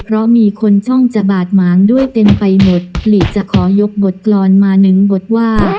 เพราะมีคนช่องจะบาดหมางด้วยเต็มไปหมดหลีจะขอยกบทกรรมมาหนึ่งบทว่า